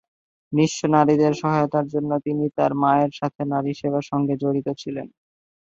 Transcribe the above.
নিঃস্ব নারীদের সহায়তার জন্য তিনি তাঁর মায়ের সাথে নারী সেবা সংঘে জড়িত ছিলেন।